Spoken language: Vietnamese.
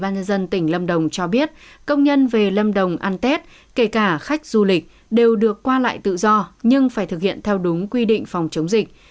những công nhân về lâm đồng ăn tết kể cả khách du lịch đều được qua lại tự do nhưng phải thực hiện theo đúng quy định phòng chống dịch